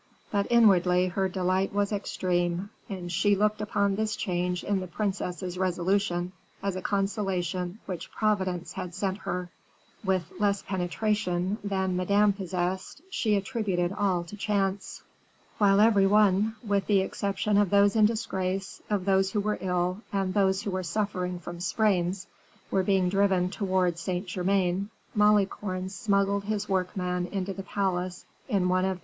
But, inwardly, her delight was extreme, and she looked upon this change in the princess's resolution as a consolation which Providence had sent her. With less penetration than Madame possessed, she attributed all to chance. While every one, with the exception of those in disgrace, of those who were ill, and those who were suffering from sprains, were being driven towards Saint Germain, Malicorne smuggled his workman into the palace in one of M.